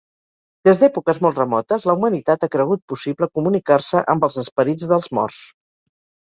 Des d'èpoques molt remotes, la humanitat ha cregut possible comunicar-se amb els esperits dels morts.